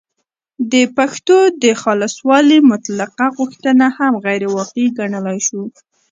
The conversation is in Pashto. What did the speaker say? د پښتو د خالصوالي مطلقه غوښتنه هم غیرواقعي ګڼلای شو